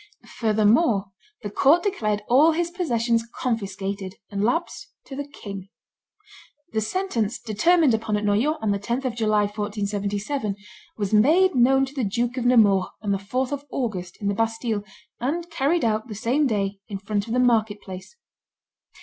Furthermore the court declared all his possessions confiscated and lapsed to the king. The sentence, determined upon at Noyon on the 10th of July, 1477, was made known to the Duke of Nemours on the 4th of August, in the Bastille, and carried out, the same day, in front of the market place.